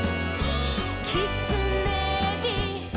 「きつねび」「」